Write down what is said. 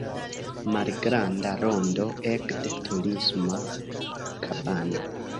Malgranda rondo ekde Turisma kabano.